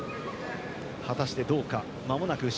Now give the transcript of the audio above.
果たして、どうか。